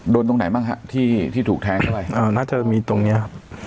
โดนตรงไหนบ้างค่ะที่ที่ถูกแท้เท่าไหร่อ่าน่าจะมีตรงเนี้ย